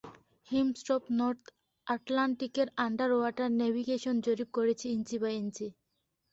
হিমস্রব north আটলান্টিকের under water navigation জরিপ করেছি ইঞ্চি বাই ইঞ্চি।